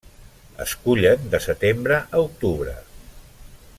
Es cullen de setembre a octubre.